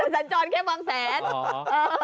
สัญจรแค่บางแสน